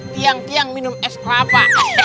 tiang tiang minum es kelapa